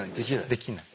できない。